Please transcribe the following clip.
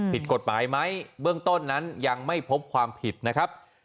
ผิดกฎหมายไหมเบื้องต้นนั้นยังไม่พบความผิดนะครับ